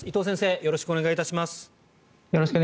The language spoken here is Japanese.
よろしくお願いします。